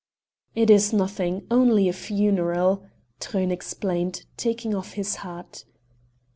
"It is nothing only a funeral," Truyn explained, taking off his hat.